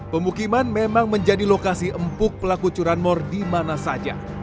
pemukiman memang menjadi lokasi empuk pelaku curanmor di mana saja